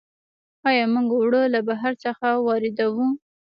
آیا موږ اوړه له بهر څخه واردوو؟